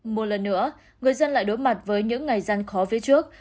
một lần nữa người dân lại đối mặt với những ngày gian khó phía trước